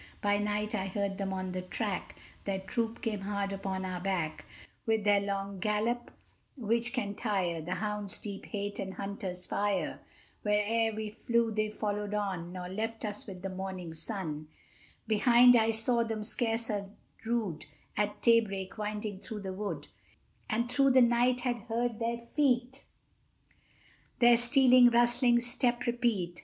By night I heard them on the track, Their troop came hard upon our back, With their long gallop, which can tire The hound's deep hate and hunter's fire: Where'er we flew they followed on, Nor left us with the morning sun; Behind I saw them, scarce a rood, At daybreak winding through the wood, And through the night had heard their feet Their stealing, rustling step repeat.